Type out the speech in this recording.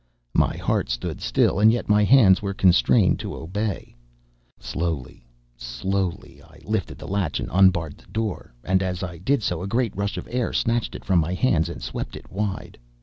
My heart stood still, and yet my hands were constrained to obey. Slowly, slowly I lifted the latch and unbarred the door, and, as I did so, a great rush of air snatched it from my hands and swept it wide.